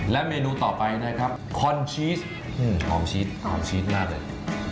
และเมนูต่อไปกรอนชีสหอมชีสหอมชีสน่ะเลย